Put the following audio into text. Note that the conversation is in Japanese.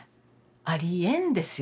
ありえんですよね。